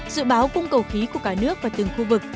dự báo cung cầu khí của cả nước và từng khu vực